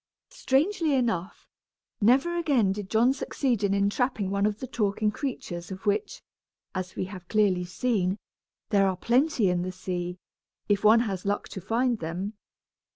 Strangely enough, never again did John succeed in entrapping one of the talking creatures of which, as we have clearly seen, there are plenty in the sea, if one has luck to find them!